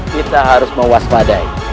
kita harus mewaspadai